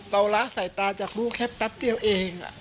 เราล้าสายตาจากลูกแค่ปั๊บเดียวเอง